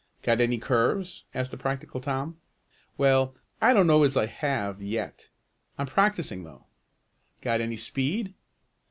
"Got any curves?" asked the practical Tom. "Well, I don't know as I have yet. I'm practicing though." "Got any speed?"